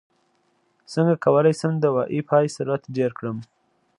څنګه کولی شم د وائی فای سرعت ډېر کړم